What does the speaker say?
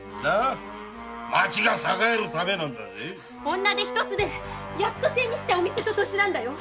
女手一つでやっと手にしたお店と土地なんだよ